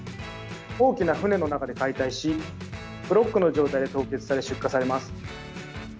大きな船の中で解体しブロックの状態で凍結され出荷されます。